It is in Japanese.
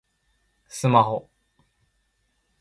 スマホ